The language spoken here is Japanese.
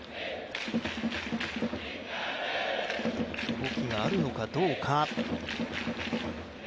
動きがあるのかどうか。